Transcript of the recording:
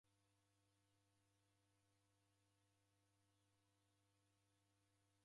Nienda sukulu baadaye